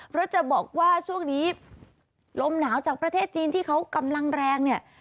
เพราะจะบอกว่าช่วงนี้ลมหนาวจากประเทศจีนที่เขากำลังแรงเนี่ย